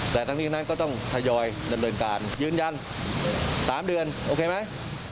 แต่ทั้งนี้ก็ต้องทยอยเรื่องการยืนยัน๓เดือนโอเคไหม